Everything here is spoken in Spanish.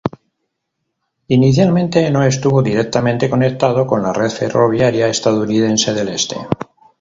Inicialmente no estuvo directamente conectado con la red ferroviaria estadounidense del Este.